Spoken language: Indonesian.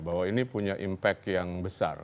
bahwa ini punya impact yang besar